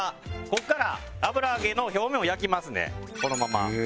ここから油揚げの表面を焼きますんでこのまま。